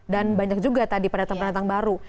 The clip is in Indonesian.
dan banyak juga tadi pada teman teman baru